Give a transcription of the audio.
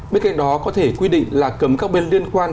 bên cạnh đó có thể quy định là cấm các bên liên quan